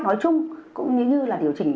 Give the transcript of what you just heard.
nói chung cũng như là điều trị